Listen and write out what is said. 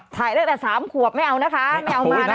ถ่ายตั้งแต่๓ขวบไม่เอานะคะไม่เอามานะ